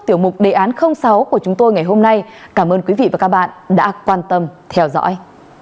tiểu mục đề án sáu của chúng tôi ngày hôm nay cảm ơn quý vị và các bạn đã quan tâm theo dõi